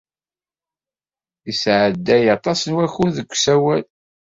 Yesɛedday aṭas n wakud deg usawal.